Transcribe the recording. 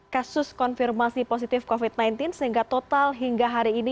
kasus konfirmasi positif covid sembilan belas sehingga total hingga hari ini